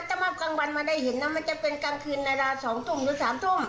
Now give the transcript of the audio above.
ทำวัดกลางวันมาได้เห็นน่ะมันจะเป็นกลางคืนละละสองตุ่มหรือสามตุ่ม